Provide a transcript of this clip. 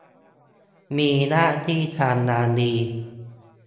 มีหน้าที่การงานดี